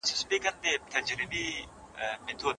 د کندهار پوهنتون باغچه ښه ساتل سوې ده.